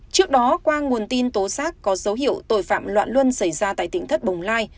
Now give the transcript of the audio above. trước đó qua nguồn tin tố giác có dấu hiệu tội phạm loạn luân xảy ra tại tỉnh thất bồng lai